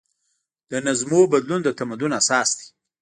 د نظمونو بدلون د تمدن اساس دی.